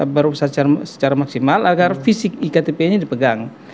baru secara maksimal agar fisik iktp nya dipegang